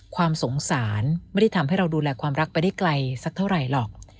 ความสงสารไม่ได้ทำให้เราดูแลความรักไปได้ไกลสักเท่าไหร่หรอก